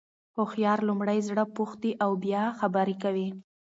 هوښیار لومړی زړه پوښتي او بیا خبري کوي.